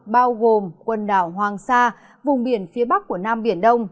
bao gồm quần đảo hoàng sa vùng biển phía bắc của nam biển đông